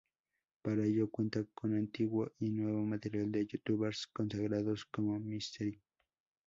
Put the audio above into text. Para ello, cuenta con antiguo y nuevo material de youtubers consagrados como Mr.